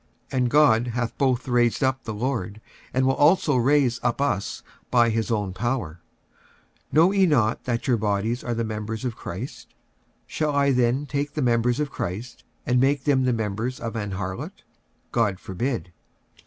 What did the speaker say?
46:006:014 And God hath both raised up the Lord, and will also raise up us by his own power. 46:006:015 Know ye not that your bodies are the members of Christ? shall I then take the members of Christ, and make them the members of an harlot? God forbid.